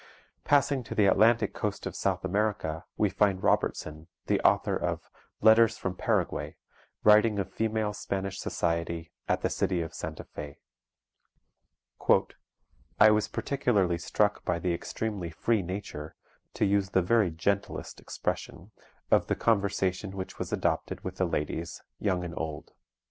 Passing to the Atlantic coast of South America, we find Robertson, the author of "Letters from Paraguay," writing of female Spanish society at the city of Santa Fe: "I was particularly struck by the extremely free nature (to use the very gentlest expression) of the conversation which was adopted with the ladies, young and old.